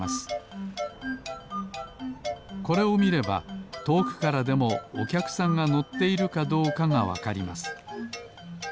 これをみればとおくからでもおきゃくさんがのっているかどうかがわかります。